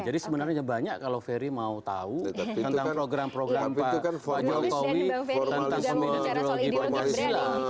jadi sebenarnya banyak kalau ferry mau tahu tentang program program pak jokowi tentang pembinan ideologi pancasila